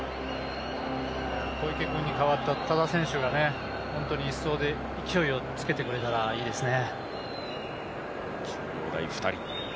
小池君に代わった多田選手が１走で勢いをつけてくれたらいいですね。